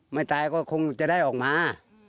ไม่ตายก็คงจะได้ออกมา